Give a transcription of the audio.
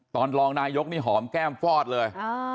ตอนรองนายกนี่หอมแก้มฟอดเลย